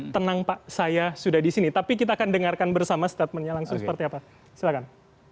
tenang pak saya sudah di sini tapi kita akan dengarkan bersama statementnya langsung seperti apa silahkan